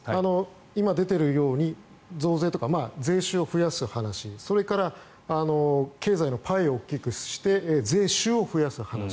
今、出ているように増税とか税収を増やす話経済のパイを大きくして税収を増やす話。